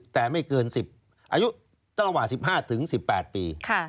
แต่ไม่เกิน๑๐ปีอายุตั้งระหว่า๑๕ปีถึง๑๘ปี